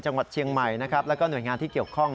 จังหวัดเชียงใหม่นะครับแล้วก็หน่วยงานที่เกี่ยวข้อง